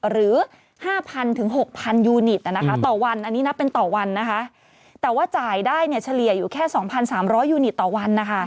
หรือ๕๐๐๐๖๐๐๐ยูนิตต่อวันแต่ว่าจ่ายได้เฉลี่ยอยู่แค่๒๓๐๐ยูนิตต่อวัน